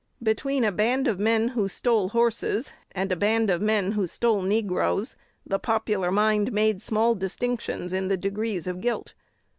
Between a band of men who stole horses and a band of men who stole negroes, the popular mind made small distinctions in the degrees of guilt.